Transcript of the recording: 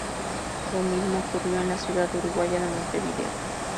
Lo mismo ocurrió en la ciudad uruguaya de Montevideo.